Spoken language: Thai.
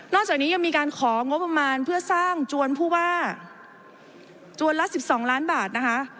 จากนี้ยังมีการของงบประมาณเพื่อสร้างจวนผู้ว่าจวนละ๑๒ล้านบาทนะคะ